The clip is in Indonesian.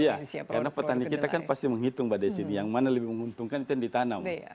iya karena petani kita kan pasti menghitung mbak desi ini yang mana lebih menguntungkan itu yang ditanam